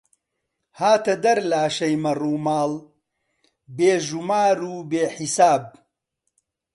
هاتە دەر لاشەی مەڕوماڵ، بێ ژومار و بێ حیساب